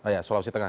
ya sulawesi tengah